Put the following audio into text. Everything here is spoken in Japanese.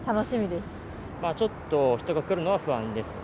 ちょっと人が来るのは不安です。